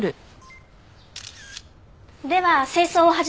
では清掃を始めます。